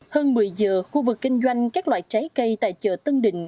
hơn một mươi giờ khu vực kinh doanh các loại trái cây tại chợ tân định